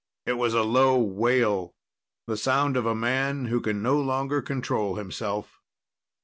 It was a low wail, the sound of a man who can no longer control himself.